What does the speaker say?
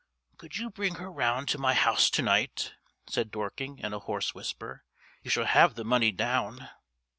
"Could you bring her round to my house to night?" said Dorking, in a hoarse whisper. "You shall have the money down."